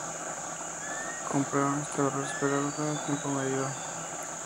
Compararon este valor esperado con el tiempo medido.